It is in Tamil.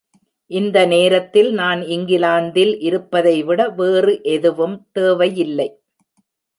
இந்த நேரத்தில் நான் இங்கிலாந்தில் இருப்பதை விட வேறு எதுவும் தேவையில்லை.